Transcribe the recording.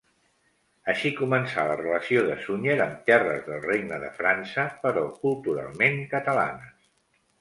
Així començà la relació de Sunyer amb terres del regne de França, però culturalment catalanes.